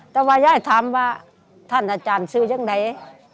อ๋อแต่ว่าย่ายถามว่าท่านอาจารย์ซื้อยังไหน